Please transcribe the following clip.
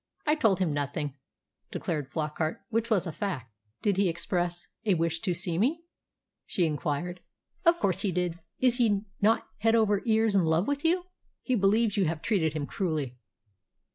"I told him nothing," declared Flockart which was a fact. "Did he express a wish to see me?" she inquired. "Of course he did. Is he not over head and ears in love with you? He believes you have treated him cruelly."